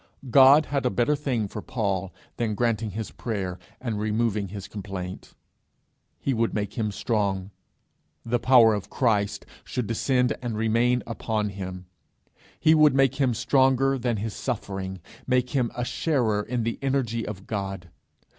God had a better thing for Paul than granting his prayer and removing his complaint: he would make him strong; the power of Christ should descend and remain upon him; he would make him stronger than his suffering, make him a sharer in the energy of God.